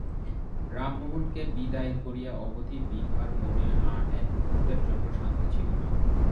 রামমোহনকে বিদায় করিয়া অবধি বিভার মনে আর এক মুহূর্তের জন্য শান্তি ছিল না।